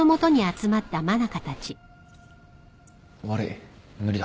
悪い無理だ。